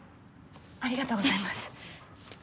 ありがとうございます。